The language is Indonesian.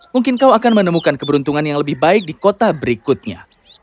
mungkin kau akan menemukan keberuntungan yang lebih baik di kota berikutnya